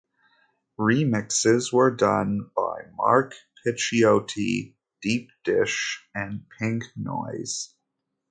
Remixes were done by Mark Picchiotti, Deep Dish and Pink Noise.